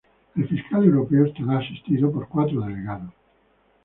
El Fiscal Europeo estará asistido por cuatro delegados.